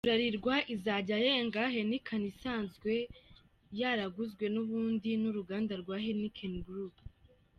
Bralirwa izajya yenga Heineken isanzwe yaraguzwe n’ubundi n’uruganda rwa Heinken Group.